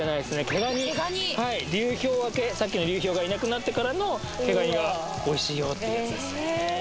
毛ガニ流氷明けさっきの流氷がいなくなってからの毛ガニがおいしいよってやつです